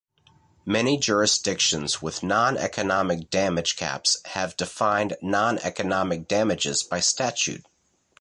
Many jurisdictions with non-economic damage caps have defined non-economic damages by statute.